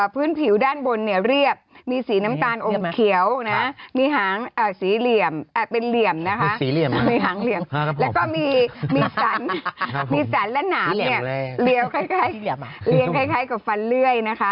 พื้นผิวด้านบนเรียบมีสีน้ำตาลอมเขียวมีหางสีเหลี่ยมเป็นเหลี่ยมแล้วก็มีสันและหนาบเรียงคล้ายกับฟันเลื่อย